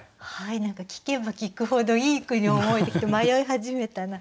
聞けば聞くほどいい句に思えてきて迷い始めたな。